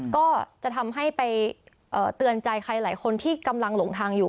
ก็จะทำให้ไปเตือนใจใครหลายคนที่กำลังหลงทางอยู่